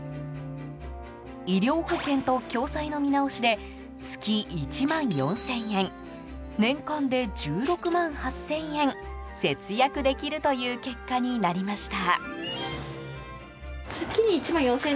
医療保険と共済の見直しで月１万４０００円年間で１６万８０００円節約できるという結果になりました。